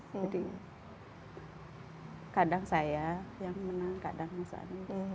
jadi kadang saya yang menang kadang mas anies yang menang